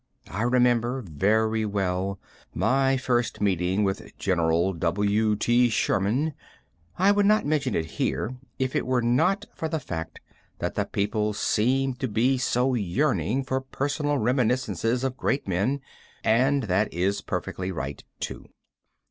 I remember very well my first meeting with General W.T. Sherman. I would not mention it here if it were not for the fact that the people seem so be yearning for personal reminiscences of great men, and that is perfectly right, too.